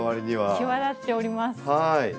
際立っております。